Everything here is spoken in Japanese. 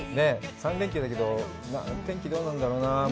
３連休だけど、天気はどうなんだろうなあ。